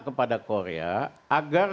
kepada korea agar